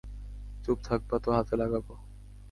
চুপ থাকবা তো হাতে লাগাবো!